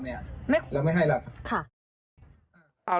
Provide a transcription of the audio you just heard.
เราไม่ให้แล้วครับ